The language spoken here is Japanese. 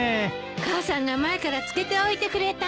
母さんが前から漬けておいてくれたの。